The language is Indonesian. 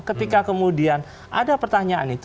ketika kemudian ada pertanyaan itu